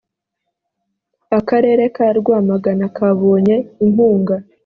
akarere ka rwamagana kabonye inkunga